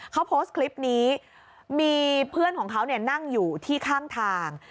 เขาโพสต์คลิปนี้มีเพื่อนของเขานั่งอยู่ที่ข้างทาง